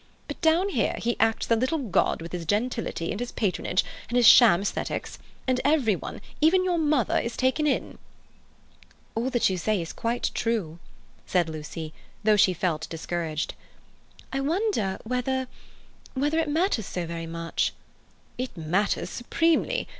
But down here he acts the little god with his gentility, and his patronage, and his sham aesthetics, and every one—even your mother—is taken in." "All that you say is quite true," said Lucy, though she felt discouraged. "I wonder whether—whether it matters so very much." "It matters supremely.